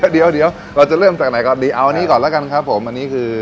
เดี๋ยวเราจะเริ่มจากไหนก่อนดีเอาอันนี้ก่อนแล้วกันครับผมอันนี้คือ